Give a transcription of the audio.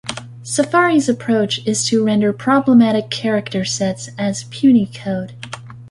Safari's approach is to render problematic character sets as Punycode.